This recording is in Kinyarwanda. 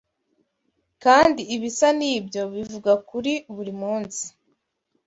Kandi ibisa n’ibyo bivugwa kuri buri munsi